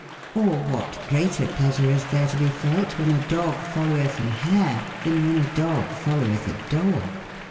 Or wbat greater pleasure is tbcre to be felte, wben a dogge followetb an bare, tben wben a dogge followetb a dogge?